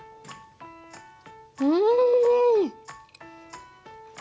うん！